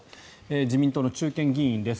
自民党の中堅議員です。